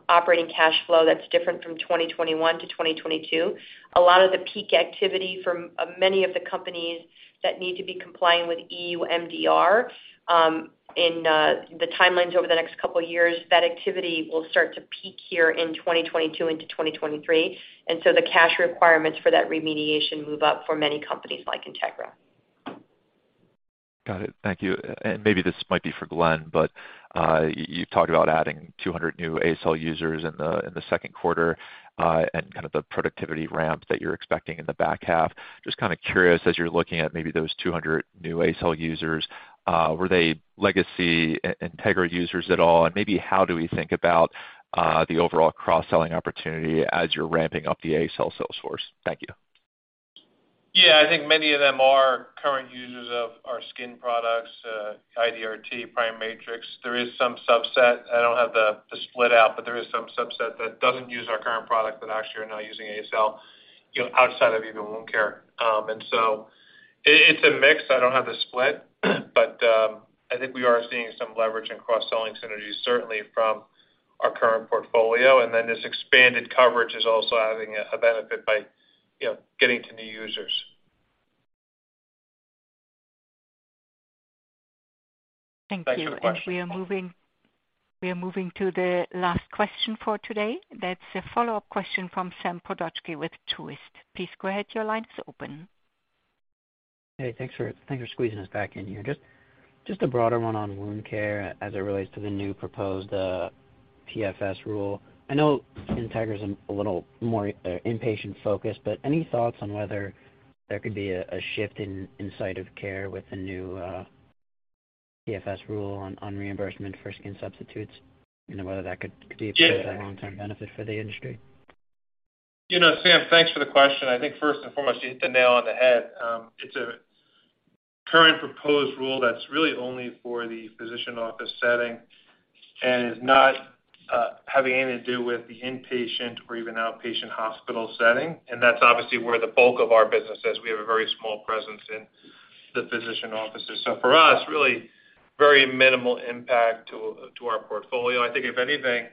operating cash flow that's different from 2021 to 2022. A lot of the peak activity from many of the companies that need to be compliant with EU MDR in the timelines over the next couple of years, that activity will start to peak here in 2022 into 2023. The cash requirements for that remediation move up for many companies like Integra. Got it. Thank you. Maybe this might be for Glenn, but, you've talked about adding 200 new ACell users in the second quarter, and kind of the productivity ramp that you're expecting in the back half. Just kind of curious, as you're looking at maybe those 200 new ACell users, were they legacy Integra users at all? Maybe how do we think about the overall cross-selling opportunity as you're ramping up the ACell sales force? Thank you. Yeah. I think many of them are current users of our skin products, IDRT, PriMatrix. There is some subset. I don't have the split out, but there is some subset that doesn't use our current product but actually are now using ACell, you know, outside of even wound care. It is a mix. I don't have the split, but I think we are seeing some leverage in cross-selling synergies, certainly from our current portfolio. Then this expanded coverage is also having a benefit by, you know, getting to new users. Thank you for the question. Thank you. We are moving to the last question for today. That's a follow-up question from Samuel Brodovsky with Truist. Please go ahead, your line is open. Hey, thanks for squeezing us back in here. Just a broader one on wound care as it relates to the new proposed PFS rule. I know Integra's a little more inpatient focused, but any thoughts on whether there could be a shift in site of care with the new PFS rule on reimbursement for skin substitutes and whether that could be a long-term benefit for the industry? You know, Sam, thanks for the question. I think first and foremost, you hit the nail on the head. It's a current proposed rule that's really only for the physician office setting and is not having anything to do with the inpatient or even outpatient hospital setting. That's obviously where the bulk of our business is. We have a very small presence in the physician offices. For us, really very minimal impact to our portfolio. I think if anything,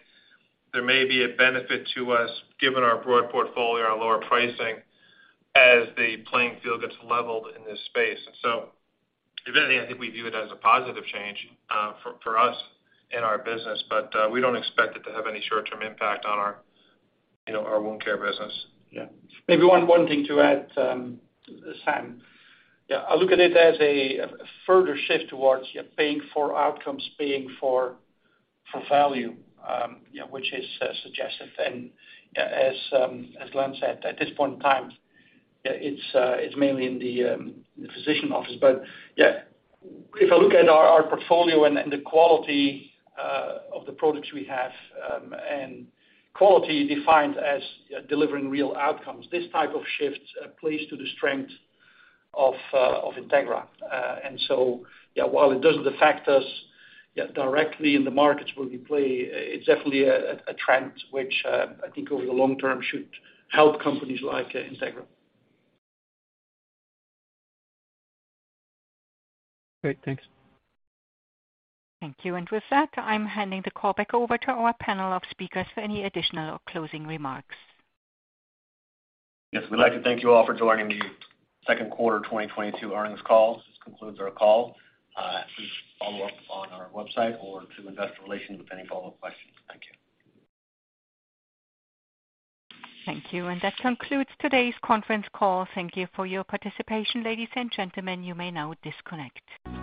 there may be a benefit to us, given our broad portfolio, our lower pricing, as the playing field gets leveled in this space. If anything, I think we view it as a positive change for us in our business, but we don't expect it to have any short-term impact on our wound care business. Yeah. Maybe one thing to add, Sam. Yeah, I look at it as a further shift towards paying for outcomes, paying for value, yeah, which is suggested. As Glenn said, at this point in time, it's mainly in the physician office. Yeah, if I look at our portfolio and the quality of the products we have, and quality defined as delivering real outcomes, this type of shift plays to the strength of Integra. Yeah, while it doesn't affect us directly in the markets where we play, it's definitely a trend which I think over the long term should help companies like Integra. Great. Thanks. Thank you. With that, I'm handing the call back over to our panel of speakers for any additional closing remarks. Yes, we'd like to thank you all for joining the second quarter 2022 earnings call. This concludes our call. Please follow up on our website or to investor relations with any follow-up questions. Thank you. Thank you. That concludes today's conference call. Thank you for your participation, ladies and gentlemen. You may now disconnect.